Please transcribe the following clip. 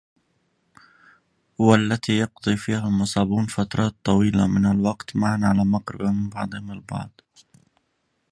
والتي يقضي فيها المصابون فترات طويلة من الوقت معاً على مقربة من بعضهم البعض